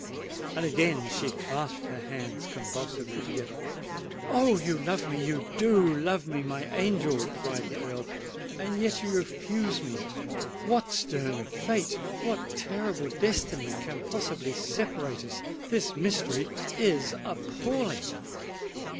And again she clasped her hands convulsively together. "Oh! you love me—you do love me, my angel," cried the Earl; "and yet you refuse me! What stern fate—what terrible destiny can possibly separate us! This mystery is appalling!"